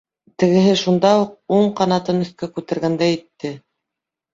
Тегеһе шунда уҡ уң ҡанатын өҫкә күтәргәндәй итте.